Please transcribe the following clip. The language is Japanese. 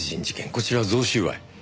こちらは贈収賄。